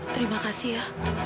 terima kasih ya